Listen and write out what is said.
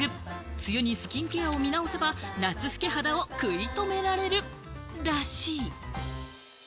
梅雨にスキンケアを見直せば、夏老け肌を食い止められるらしい。